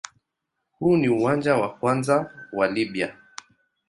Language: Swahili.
Huu ni uwanja wa kwanza wa Libya.